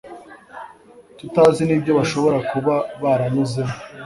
tutazi n'ibyo bashobora kuba baranyuzemo